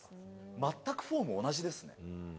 全くフォーム同じですね。